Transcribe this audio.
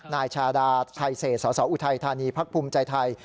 นายชาดาไทเศษสสออุทัยธานีพักภูมิใจไทย